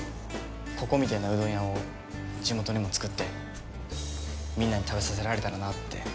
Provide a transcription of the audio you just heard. ここみたいなうどん屋を地元にも作ってみんなに食べさせられたらなって。